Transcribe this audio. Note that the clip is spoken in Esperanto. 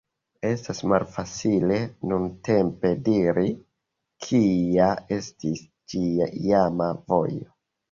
Estas malfacile nuntempe diri, kia estis ĝia iama vojo.